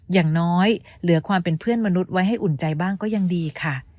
อย่างน้อยเหลือความเป็นเพื่อนมนุษย์ไว้ให้อุ่นใจบ้างก็ยังดีค่ะ